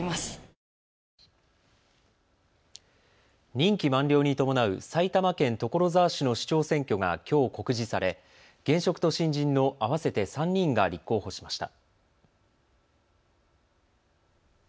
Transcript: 任期満了に伴う埼玉県所沢市の市長選挙がきょう告示され現職と新人の合わせて３人が立候補しました。